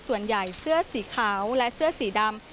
ส่วนใหญ่เสื้อสีขาวและเสื้อสีดำ